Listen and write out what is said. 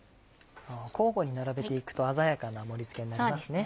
交互に並べていくと鮮やかな盛り付けになりますね。